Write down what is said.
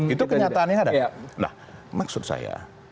itu kenyataannya ada nah maksud saya